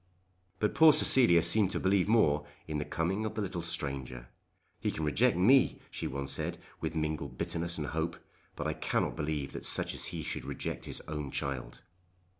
But poor Cecilia seemed to believe more in the coming of the little stranger. "He can reject me," she once said, with mingled bitterness and hope, "but I cannot believe that such as he should reject his own child."